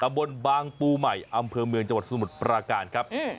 บนบางปูใหม่อำเภอเมืองจังหวัดสมุทรปราการครับ